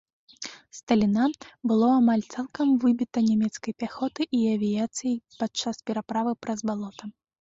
Сталіна, было амаль цалкам выбіта нямецкай пяхотай і авіяцыяй падчас пераправы праз балота.